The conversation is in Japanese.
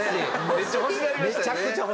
めっちゃ欲しくなりましたよね。